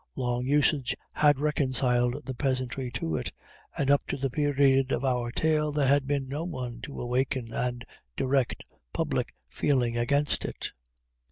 Long usage had reconciled the peasantry to it, and up to the period of our tale, there had been no one to awaken and direct public feeling against it.